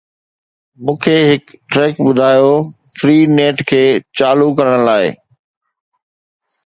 مون کي هڪ ٽريڪ ٻڌايو. FreeNet کي چالو ڪرڻ لاء